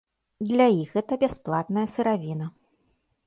Для іх гэта бясплатная сыравіна.